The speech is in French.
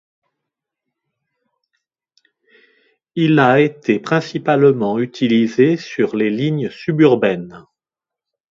Il a été principalement utilisé sur les lignes suburbaines.